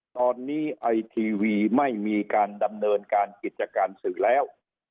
ตอนนี้ไอทีวีไม่มีการดำเนินการกิจการสื่อแล้ว